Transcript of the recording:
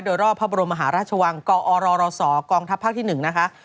โดยรอบพระบรมมหาราชวังกอรศกองทัพภาคที่๑นะคะ